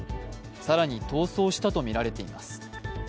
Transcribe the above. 更に逃走したとみられています。